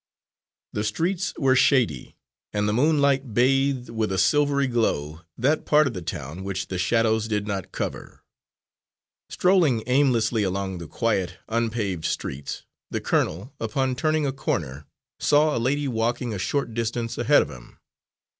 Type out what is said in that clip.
The streets were shady, and the moonlight bathed with a silvery glow that part of the town which the shadows did not cover. Strolling aimlessly along the quiet, unpaved streets, the colonel, upon turning a corner, saw a lady walking a short distance ahead of him.